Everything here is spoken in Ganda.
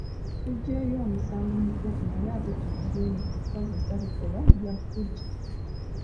Tuggyeeyo omusango mu kkooti naye ate tetugenda kukozesa bikolwa byaffujjo.